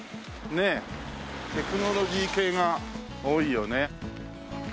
ねえテクノロジー系が多いよね。